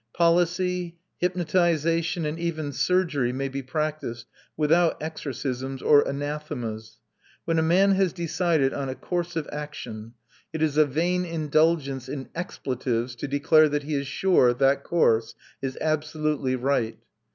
Policy, hypnotisation, and even surgery may be practised without exorcisms or anathemas. When a man has decided on a course of action, it is a vain indulgence in expletives to declare that he is sure that course is absolutely right.